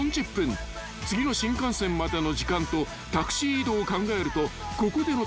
［次の新幹線までの時間とタクシー移動を考えるとここでの］